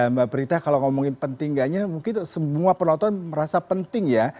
mbak prita kalau ngomongin penting nggaknya mungkin semua penonton merasa penting ya